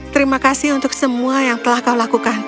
terima kasih untuk semua yang telah kau lakukan